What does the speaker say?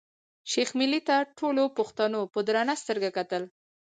شېخ ملي ته ټولو پښتنو په درنه سترګه کتل.